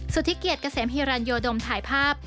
สุธิเกียจเกษมฮิรันโยดมถ่ายภาพ